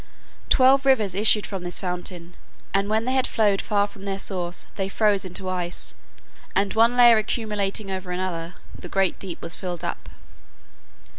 Twelve rivers issued from this fountain, and when they had flowed far from their source, they froze into ice, and one layer accumulating over another, the great deep was filled up.